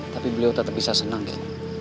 tapi beliau tetap bisa senang ya